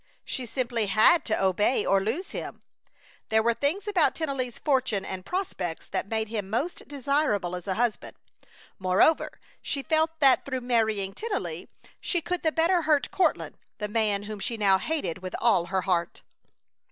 She simply had to obey or lose him. There were things about Tennelly's fortune and prospects that made him most desirable as a husband. Moreover, she felt that through marrying Tennelly she could the better hurt Courtland, the man whom she now hated with all her heart.